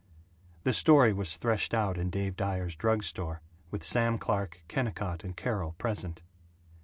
The story was threshed out in Dave Dyer's drug store, with Sam Clark, Kennicott, and Carol present.